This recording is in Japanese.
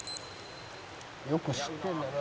「よく知ってるんだな」